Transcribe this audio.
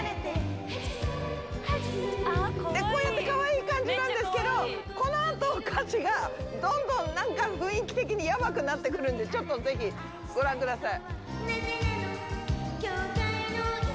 こうやってかわいい感じなんですけど、このあと、歌詞がなんか、雰囲気的にやばくなってくるんで、ちょっとぜひ、ご覧ください。